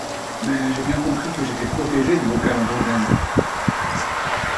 mais j'ai bien compris que j'étais protégée de vos calembredaines.